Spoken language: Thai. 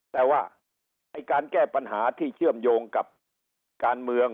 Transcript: แต่ว่าไอ้การแก้ปัญหาที่เชื่อมโยงกับการเมือง